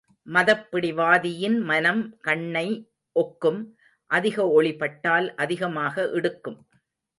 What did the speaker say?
மதப் பிடிவாதியின் மனம் கண்ணை ஒக்கும், அதிக ஒளி பட்டால் அதிகமாக இடுக்கும்.